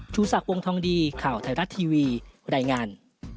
ชูศักดิ์วงทองดีข่าวไทยรัฐทีวีรายงาน